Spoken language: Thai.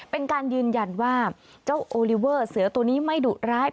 เป็นการยืนยันว่าเจ้าโอลิเวอร์เสือตัวนี้ไม่ดุร้าย